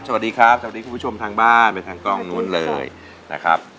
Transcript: สวัสดีคุณผู้ชมทางบ้านทางกล้องนู้นเลยนะครับ